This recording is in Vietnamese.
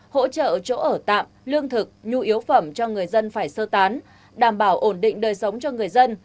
hỗ trợ chỗ ở tạm lương thực nhu yếu phẩm cho người dân phải sơ tán đảm bảo ổn định đời sống cho người dân